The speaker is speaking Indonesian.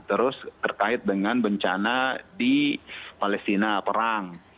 terus terkait dengan bencana di palestina perang